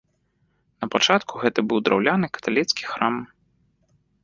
Напачатку гэта быў драўляны каталіцкі храм.